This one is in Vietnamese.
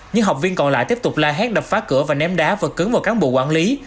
những học viên còn lại tiếp tục la hét đập phá cửa và ném đá vật cứng vào cán bộ quản lý